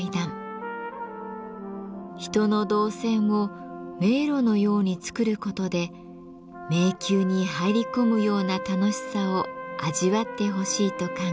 人の動線を迷路のように作ることで迷宮に入り込むような楽しさを味わってほしいと考えました。